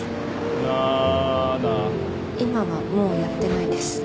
７今はもうやってないです